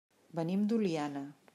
Venim d'Oliana.